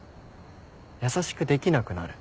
優しくできなくなる。